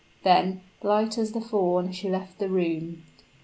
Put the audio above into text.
Then, light as the fawn, she left the room.